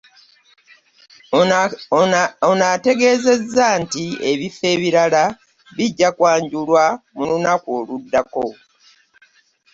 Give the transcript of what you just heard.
Ono ategeezezza nti ebifo ebirala bijja kwanjulwa mu lunaku oluddako